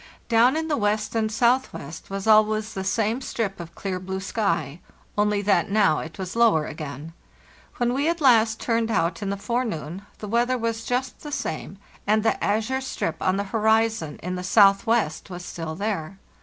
Down in the west and southwest was always the same strip of clear blue sky, only that now it was lower again. When we at last turned out in the forenoon the weather was just the same, and the azure strip on the horizon in the south west was still there.